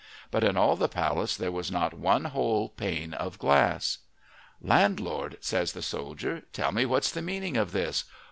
But in all the palace there was not one whole pane of glass. "Landlord," says the soldier, "tell me what's the meaning of this?